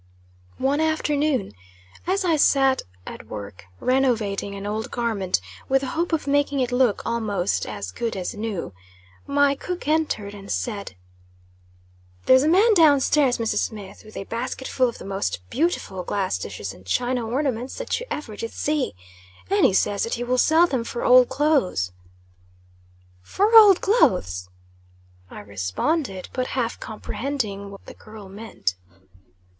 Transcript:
One afternoon, as I sat at work renovating an old garment, with the hope of making it look almost "as good as new," my cook entered and said "There's a man down stairs, Mrs. Smith, with a basket full of the most beautiful glass dishes and china ornaments that you ever did see; and he says that he will sell them for old clothes." "For old clothes?" I responded, but half comprehending what the girl meant.